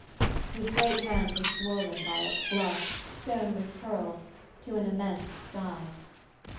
His great hand was swollen by its glove, sewn with pearls, to an immense size.